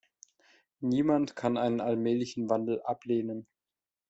Niemand kann einen allmählichen Wandel ablehnen.